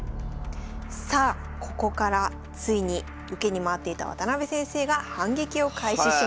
さあここからついに受けに回っていた渡辺先生が反撃を開始します。